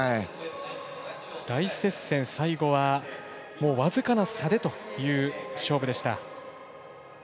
大接戦、最後はもう僅かな差でという勝負でした。